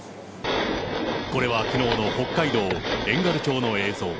これはきのうの北海道遠軽町の映像。